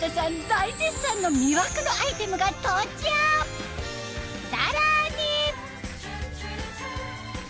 大絶賛の魅惑のアイテムが登場さらに！